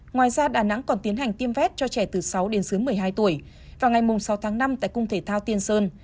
ngoài ra đà nẵng còn tiến hành tiêm vét cho trẻ từ sáu đến dưới một mươi hai tuổi vào ngày sáu tháng năm tại cung thể thao tiên sơn